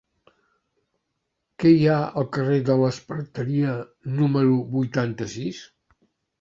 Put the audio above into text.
Què hi ha al carrer de l'Esparteria número vuitanta-sis?